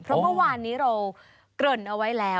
เพราะเมื่อวานนี้เราเกริ่นเอาไว้แล้ว